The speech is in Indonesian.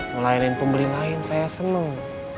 melain pembeli lain saya senang